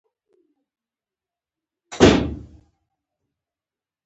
انکریپشن د معلوماتو امنیت ساتي.